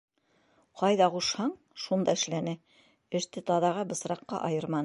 Ҡайҙа ҡушһаң, шунда эшләне, эште таҙаға-бысраҡҡа айырманы.